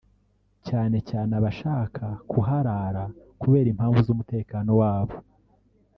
cyane cyane abashaka kuharara kubera impamvu z’umutekano wabo